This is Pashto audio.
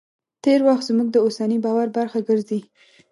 تېر وخت زموږ د اوسني باور برخه ګرځي.